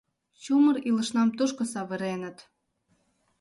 Чумыр илышнам тушко савыреныт...